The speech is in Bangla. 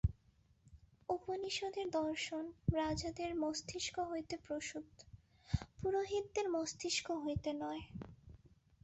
উপনিষদের দর্শন রাজাদের মস্তিষ্ক হইতে প্রসূত, পুরোহিতদের মস্তিষ্ক হইতে নয়।